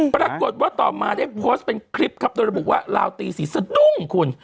ปรากฏว่าต่อมาได้โพสต์เป็นคลิปครับโดยระบุว่าลาวตีสีสะดุ้งคุณ